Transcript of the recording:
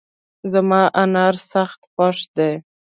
زما انار سخت خوښ دي